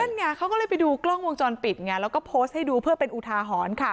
ไงเขาก็เลยไปดูกล้องวงจรปิดไงแล้วก็โพสต์ให้ดูเพื่อเป็นอุทาหรณ์ค่ะ